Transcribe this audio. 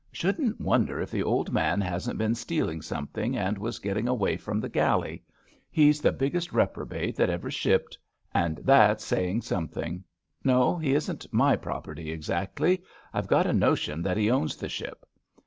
Shouldn't wonder if the old man hasn't been stealing something and was getting away from the galley. He's the biggest reprobate that ever shipped — and that's saying something. No, he isn't my property exactly. I've got a notion that he owns the ship.